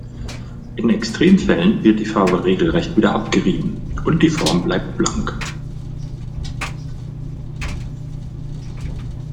In Extremfällen wird die Farbe regelrecht wieder abgerieben, und die Form bleibt blank.